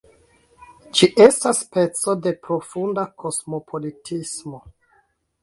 Ĝi estas speco de profunda kosmopolitismo.